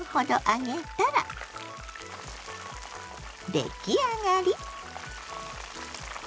出来上がり！